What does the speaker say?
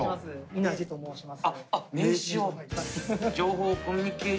稲地と申します。